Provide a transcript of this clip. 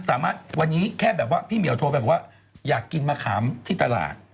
สามารถวันนี้แค่แบบว่าพี่เหมียวโทรไปบอกว่าอยากกินมะขามที่ตลาด